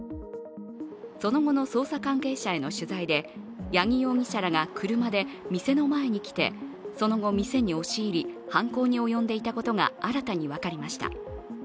その後の捜査関係者への取材で八木容疑者らが車で店の前に来てその後店に押し入り、犯行に及んでいたことが新たに分かりました。